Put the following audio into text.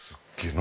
何？